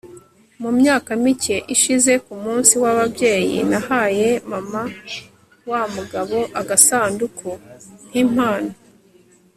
mu myaka mike ishize, ku munsi w'ababyeyi, nahaye mama wamugabo agasanduku nkimpano